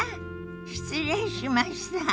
失礼しました。